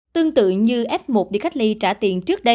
tương tự như f một đi cách ly trả tiền trước đây